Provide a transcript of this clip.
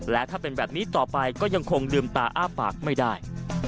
และถ้าเป็นแบบนี้ต่อไปก็ยังคงลืมตาอ้าปากไม่ได้